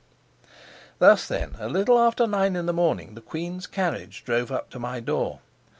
Thus, then, a little after nine in the morning the queen's carriage drove up to my door.